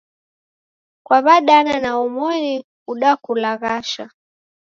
Kaw'adana na omoni udakulaghasha.